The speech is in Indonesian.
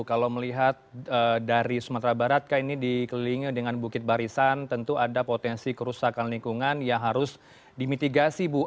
kalau melihat dari sumatera barat kah ini dikelilingi dengan bukit barisan tentu ada potensi kerusakan lingkungan yang harus dimitigasi bu